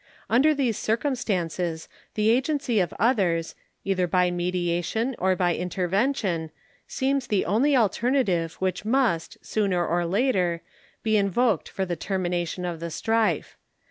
Under these circumstances the agency of others, either by mediation or by intervention, seems to be the only alternative which must, sooner or later, be invoked for the termination of the strife.